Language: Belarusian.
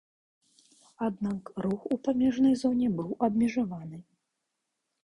Аднак рух у памежнай зоне быў абмежаваны.